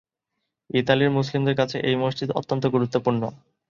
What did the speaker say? ইতালির মুসলিমদের কাছে এই মসজিদ অত্যন্ত গুরুত্বপূর্ণ।